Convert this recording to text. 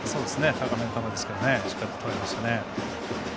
高めの球をしっかりと、とらえましたね。